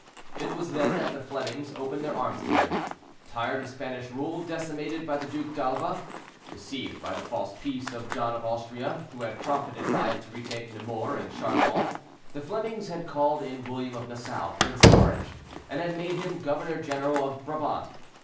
It was then that the Flemings opened their arms to him. Tired of Spanish rule, decimated by the Duc d'Alva, deceived by the false peace of John of Austria, who had profited by it to retake Namur and Charlemont, the Flemings had called in William of Nassau, prince of Orange, and had made him governor general of Brabant.